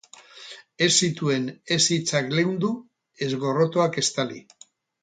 Ez zituen ez hitzak leundu, ez gorrotoak estali.